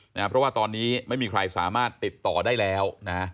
เพราะว่าตอนนี้ไม่มีใครสามารถติดต่อได้แล้วนะ